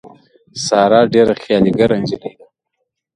ساره ډېره خیالي ګره نجیلۍ ده.